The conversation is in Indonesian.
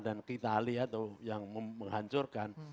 dan kitali atau yang menghancurkan